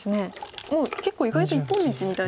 もう結構意外と一本道みたいな。